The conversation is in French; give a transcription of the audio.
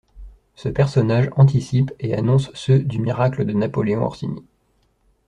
Ce personnage anticipe et annonce ceux du miracle de Napoléon Orsini.